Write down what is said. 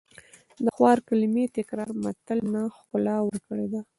د خوار کلمې تکرار متل ته ښکلا ورکړې ده